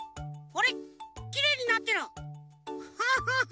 きれいになってる！ハハハ！